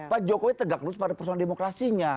pak jokowi tegak terus pada persoalan demokrasinya